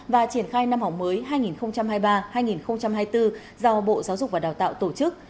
và triển khai năm học mới hai nghìn hai mươi ba hai nghìn hai mươi bốn do bộ giáo dục và đào tạo tổ chức